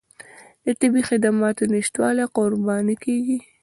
د طبي خدماتو نشتوالي قرباني کېږي.